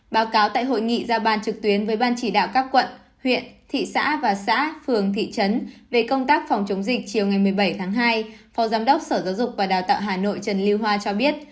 báo cáo tại hội nghị ra ban trực tuyến với ban chỉ đạo các quận huyện thị xã và xã phường thị trấn về công tác phòng chống dịch chiều ngày một mươi bảy tháng hai phó giám đốc sở giáo dục và đào tạo hà nội trần lưu hoa cho biết